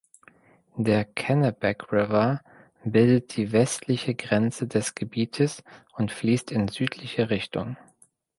Der Kennebec River bildet die westliche Grenze des Gebietes und fließt in südliche Richtung.